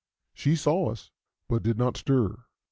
She saw us, but did not stir.